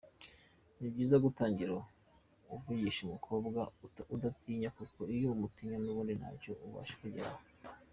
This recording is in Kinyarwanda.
Ni byiza gutangira uvugisha umukobwa udatinya kuko iyo umutinya n’ubundi ntacyo ubasha kugeraho.